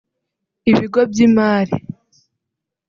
ibigo by’imari